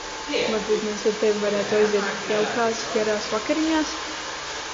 Varbūt mēs ar tevi varētu aiziet jaukās garās vakariņās?